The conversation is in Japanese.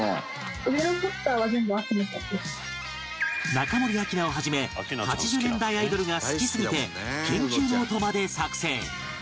中森明菜を始め８０年代アイドルが好きすぎて研究ノートまで作成